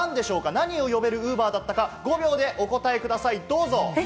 何を呼べるＵｂｅｒだったか、５秒でお答えください！